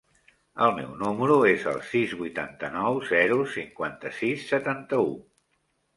El meu número es el sis, vuitanta-nou, zero, cinquanta-sis, setanta-u.